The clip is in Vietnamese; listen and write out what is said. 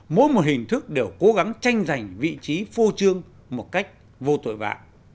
mỗi một hình thức đều cố gắng tranh giành vị trí phô trương một cách vô tội vạ